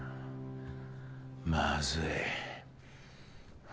まずい。